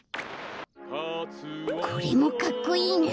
カツオのこれもかっこいいな。